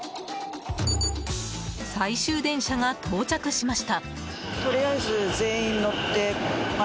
最終電車が到着しました。